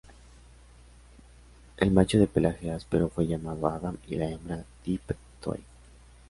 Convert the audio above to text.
El macho de pelaje áspero fue llamado Adam y la hembra, Tip-Toe.